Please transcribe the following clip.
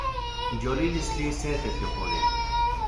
Yolilistli se tetliokolili